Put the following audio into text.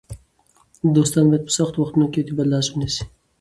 دوستان باید په سختو وختونو کې د یو بل لاس ونیسي.